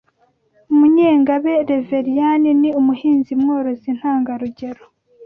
Munyengabe Reveriyani ni umuhinzi mworozi ntangarugero